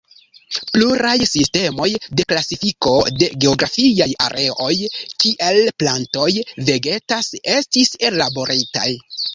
Pluraj sistemoj de klasifiko de geografiaj areoj kie plantoj vegetas, estis ellaboritaj.